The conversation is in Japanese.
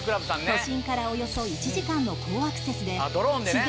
都心からおよそ１時間の好アクセスで。